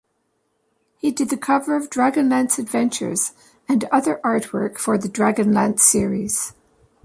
He did the cover of "Dragonlance Adventures" and other artwork for the Dragonlance series.